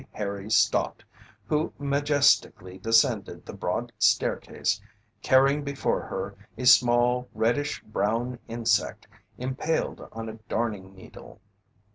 Harry Stott, who majestically descended the broad staircase carrying before her a small reddish brown insect impaled on a darning needle.